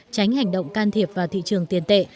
tránh hành động can thiệp vào thị trường tiền tệ